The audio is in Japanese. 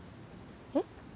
えっ？